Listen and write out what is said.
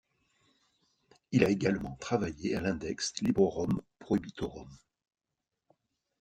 Il a également travaillé à l'Index librorum prohibitorum.